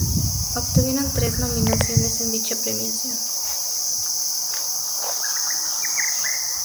Obtuvieron tres nominaciones en dicha premiación.